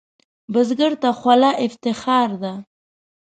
بزګر ته خوله افتخار ده